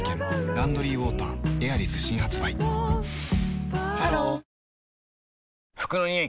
「ランドリーウォーターエアリス」新発売ハロー服のニオイ